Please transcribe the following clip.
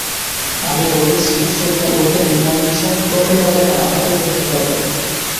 আমি বলেছি শুধু ওকে নিমন্ত্রণ করলে হবে না, আমাকে করতে হবে।